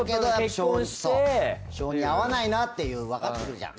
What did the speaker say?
性に合わないなっていうわかってるじゃん。